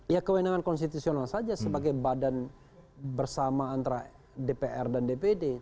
ya kewenangan konstitusional saja sebagai badan bersama antara dpr dan dpd